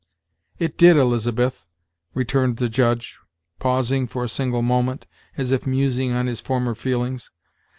"It did, Elizabeth," returned the Judge, pausing for a single moment, as if musing on his former feelings.